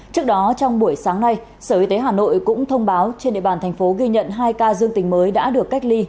trước đó trong buổi sáng nay sở y tế hà nội cũng thông báo trên địa bàn thành phố ghi nhận hai ca dương tình mới đã được cách ly